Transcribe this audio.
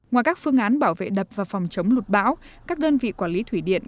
ngoài các phương án bảo vệ đập và phòng chống lụt bão các đơn vị quản lý thủy điện